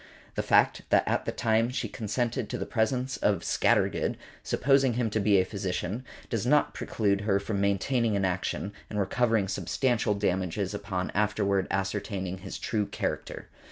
The fact that at the time she consented to the presence of Scattergood, supposing him to be a physician, does not preclude her from maintaining an action, and recovering substantial damages upon afterward ascertaining his true character.